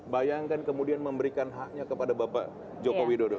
bayangkan kemudian memberikan haknya kepada bapak joko widodo